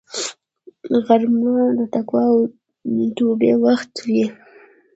غرمه د تقوا او توبې وخت وي